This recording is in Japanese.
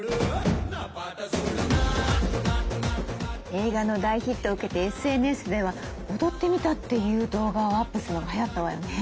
映画の大ヒットを受けてＳＮＳでは「踊ってみた」っていう動画をアップするのがはやったわよね。